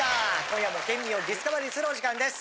今夜も県民をディスカバリーするお時間です。